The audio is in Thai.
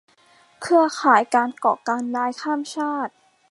เครือข่ายการก่อการร้ายข้ามชาติ